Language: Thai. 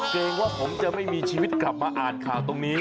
เกรงว่าผมจะไม่มีชีวิตกลับมาอ่านข่าวตรงนี้